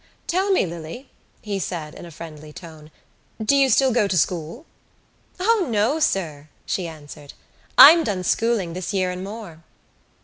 "Tell me, Lily," he said in a friendly tone, "do you still go to school?" "O no, sir," she answered. "I'm done schooling this year and more."